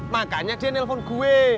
makanya dia nelfon gue